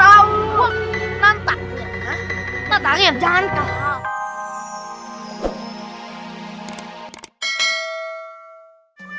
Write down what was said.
tantang yang jantah